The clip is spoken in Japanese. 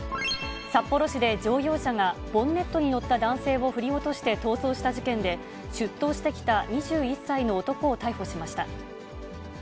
札幌市で乗用車がボンネットに乗った男性を振り落として逃走した事件で、出頭してきた２１歳の男を逮捕しました。